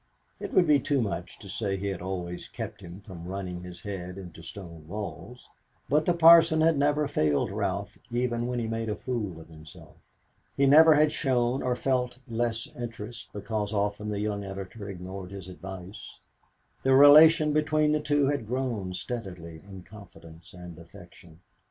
It would be too much to say that he had always kept him from running his head into stone walls, but the Parson had never failed Ralph even when he made a fool of himself. He never had shown or felt less interest because often the young editor ignored his advice. The relation between the two had grown steadily in confidence and affection.